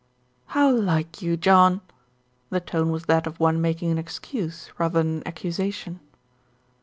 "How like you, John." The tone was that of one making an excuse rather than an accusation.